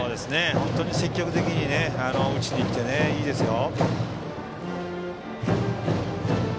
本当に積極的に打ちにいっていて、いいですよ。